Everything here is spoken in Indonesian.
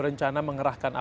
kami tidak bisa menduga duga